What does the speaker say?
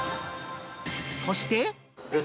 そして。